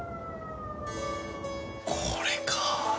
これかぁ。